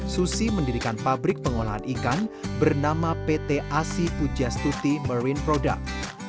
susi mendirikan pabrik pengolahan ikan bernama pt asi pujastuti marine product